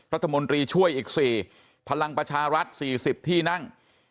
รัฐมนตรีช่วยอีกสี่พลังประชารัฐสี่สิบที่นั่ง